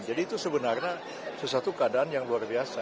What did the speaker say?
jadi itu sebenarnya sesuatu keadaan yang luar biasa